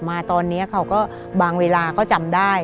มาตอนนี้เขาก็บางเวลาก็จำได้